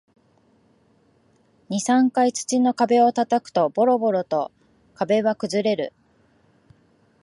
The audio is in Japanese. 二、三回土の壁を叩くと、ボロボロと壁は崩れる